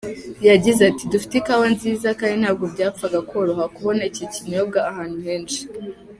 Yagize ati”Dufite ikawa nziza kandi ntabwo byapfaga koroha kubona iki kinyobwa ahantu henshi”.